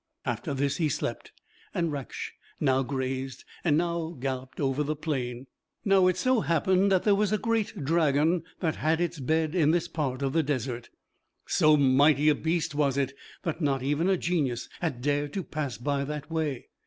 After this he slept; and Raksh now grazed, and now galloped over the plain. Now it so happened that there was a great dragon that had its bed in this part of the desert. So mighty a beast was it, that not even a Genius had dared to pass by that way.